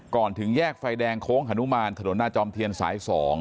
ถึงแยกไฟแดงโค้งฮนุมานถนนหน้าจอมเทียนสาย๒